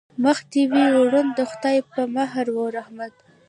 مخ دې وي روڼ د خدای په مهر و رحمت.